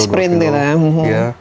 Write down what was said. sprint gitu ya